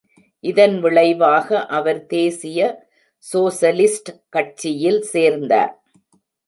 இதன் விளைவாக, அவர் தேசிய சோசலிஸ்ட் கட்சியில் சேர்ந்தார்.